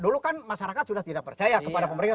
dulu kan masyarakat sudah tidak percaya kepada pemerintah